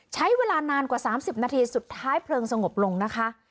ใช้เวลานานกว่า๓๐นาทีสุดท้ายเพลิงสงบลงนะคะ